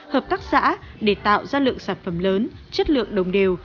hợp tác xã để tạo ra lượng sản phẩm lớn chất lượng đồng đều